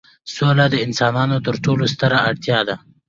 سوله د انسانانو تر ټولو ستره اړتیا ده.